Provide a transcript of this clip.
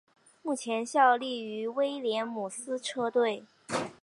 目前效力于威廉姆斯车队。